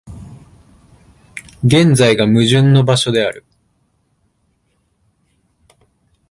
現在が矛盾の場所である。